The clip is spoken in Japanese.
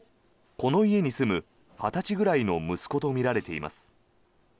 この家に住む２０歳ぐらいの息子とみられています。